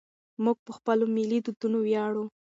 موږ په خپلو ملي دودونو ویاړو.